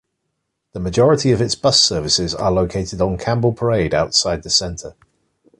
The majority of its bus services are located on Campbell Parade outside the centre.